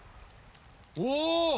お！